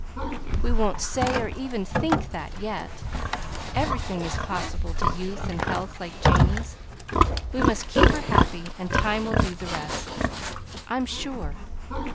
"We won't say, or even think, that, yet. Everything is possible to youth and health like Janey's. We must keep her happy, and time will do the rest, I'm sure.